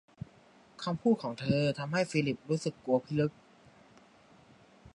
คำพูดของเธอ ทำให้ฟิลิปรู้สึกกลัวพิลึก